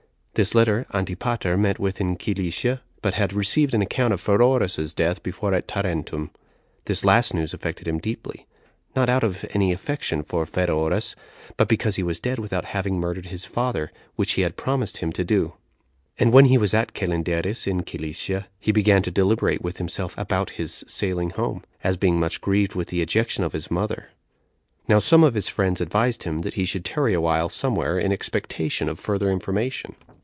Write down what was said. This letter Antipater met with in Cilicia; but had received an account of Pheroras's death before at Tarentum. This last news affected him deeply; not out of any affection for Pheroras, but because he was dead without having murdered his father, which he had promised him to do. And when he was at Celenderis in Cilicia, he began to deliberate with himself about his sailing home, as being much grieved with the ejection of his mother. Now some of his friends advised him that he should tarry a while some where, in expectation of further information.